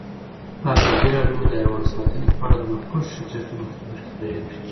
ازادي راډیو د حیوان ساتنه په اړه د مخکښو شخصیتونو خبرې خپرې کړي.